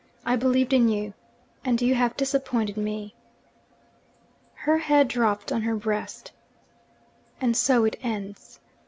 I believed in you, and you have disappointed me.' Her head dropped on her breast. 'And so it ends!'